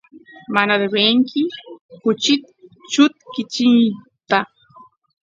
mana devenki kuchit chutkichiyta